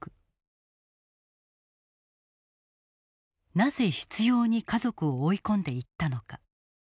なぜ執ように家族を追い込んでいったのか。